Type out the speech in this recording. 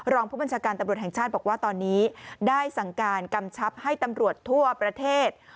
รองผู้บัญชาการตำรวจแห่งชาติบอกว่าตอนนี้ได้สั่งการกำชับให้ตำรวจทั่วประเทศ